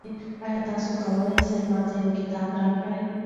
آیا ته کولای سې ما ته یو کتاب راکړې؟